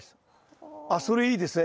それいいですね